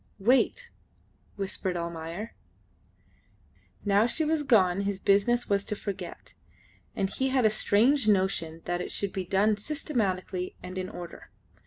"Wait," whispered Almayer. Now she was gone his business was to forget, and he had a strange notion that it should be done systematically and in order.